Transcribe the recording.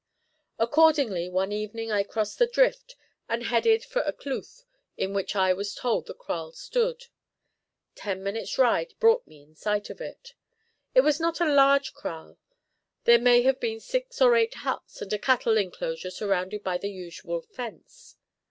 Accordingly one evening I crossed the drift and headed for a kloof in which I was told the kraal stood. Ten minutes' ride brought me in sight of it. It was not a large kraal; there may have been six or eight huts and a cattle enclosure surrounded by the usual fence.